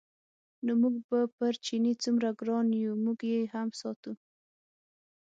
نو موږ به پر چیني څومره ګران یو موږ یې هم ساتو.